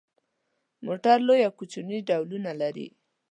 موټر لوی او کوچني ډولونه لري.